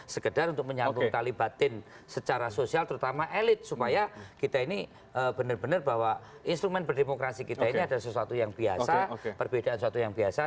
sekedar untuk menyambung tali batin secara sosial terutama elit supaya kita ini benar benar bahwa instrumen berdemokrasi kita ini ada sesuatu yang biasa perbedaan sesuatu yang biasa